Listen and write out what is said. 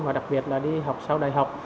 và đặc biệt là đi học sau đại học